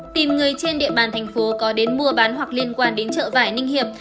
tìm người trên địa bàn thành phố có đến mua bán hoặc liên quan đến chợ vải ninh hiệp